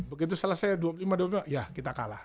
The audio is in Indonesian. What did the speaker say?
begitu selesai dua puluh lima dua puluh lima ya kita kalah